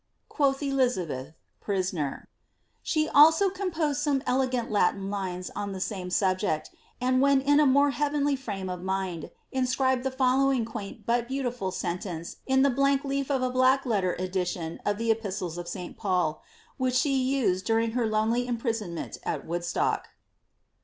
Quoth Elizabeth, Prisoner/'* She also composed some elegant Latin lines on the same subject, and when in a more heavenly frame of mind, inscribed the following quaint but beautiful sentence in the blank leaf of a black letter edition of the epistles of St. Paul, which she used during her lonely imprisonment at Woodstock.